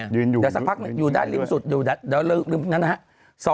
เดี๋ยวซักพักอยู่ได้ด้านเน็ตสุด